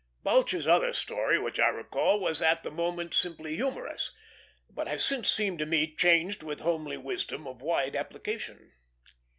Balch's other story which I recall was at the moment simply humorous, but has since seemed to me charged with homely wisdom of wide application.